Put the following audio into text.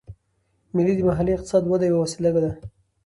مېلې د محلي اقتصاد وده یوه وسیله ده.